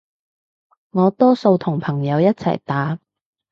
我多數同朋友一齊打